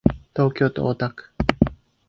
東京都大田区